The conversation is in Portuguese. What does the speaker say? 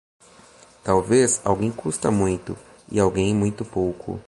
Talvez alguém custa muito e alguém muito pouco.